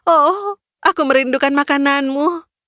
oh aku merindukan makananmu